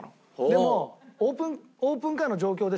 でもオープンカーの状況でしか。